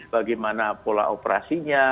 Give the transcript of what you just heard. bagaimana pola operasinya